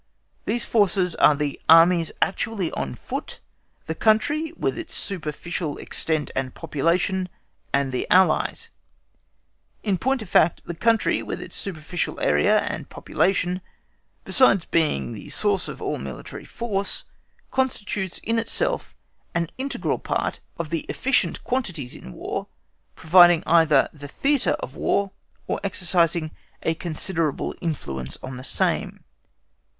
These forces are the armies actually on foot, the country, with its superficial extent and its population, and the allies. In point of fact, the country, with its superficial area and the population, besides being the source of all military force, constitutes in itself an integral part of the efficient quantities in War, providing either the theatre of war or exercising a considerable influence on the same.